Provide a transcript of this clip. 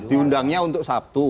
diundangnya untuk sabtu